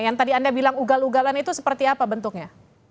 yang tadi anda bilang ugal ugalan itu seperti apa bentuknya